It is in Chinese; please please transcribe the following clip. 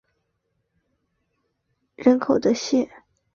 本县是全美国唯一并无贫穷线下人口的县。